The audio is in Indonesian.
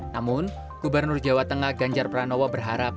namun gubernur jawa tengah ganjar pranowo berharap